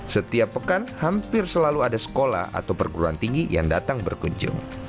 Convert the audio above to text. setiap pekan hampir selalu ada sekolah atau perguruan tinggi yang datang berkunjung